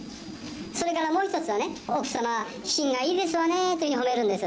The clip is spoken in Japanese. それかもう一つはね、奥様、品がいいですわねというふうに褒めるんです。